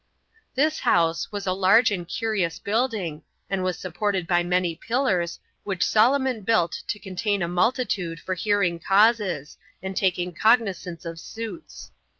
2. This house was a large and curious building, and was supported by many pillars, which Solomon built to contain a multitnde for hearing causes, and taking cognizance of suits.